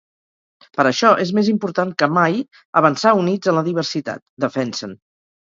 Per això, és més important que mai avançar units en la diversitat, defensen.